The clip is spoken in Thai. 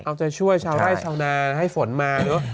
เอาใจช่วยชาวไร่ชาวนาให้ฝนมาเนอะ